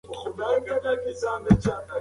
که موږ ونې نه وای کرلې اکسیجن به کم وای.